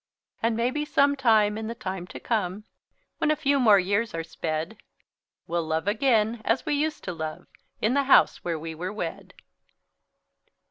And maybe some time in the time to come, When a few more years are sped, We'll love again as we used to love, In the house where we were wed.